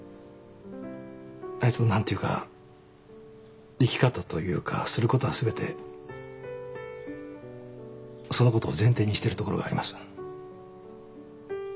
あいつの何ていうか生き方というかすることは全てそのことを前提にしてるところがあります。